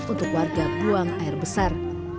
untuk warga buang air besar